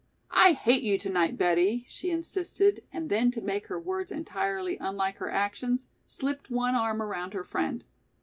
"I hate you to night, Betty," she insisted, and then to make her words entirely unlike her actions, slipped one arm around her friend.